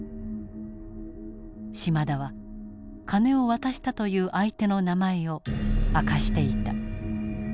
島田は金を渡したという相手の名前を明かしていた。